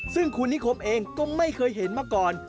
ซึ่งคุณนิคมเองก็ไม่เคยเห็นมาก่อน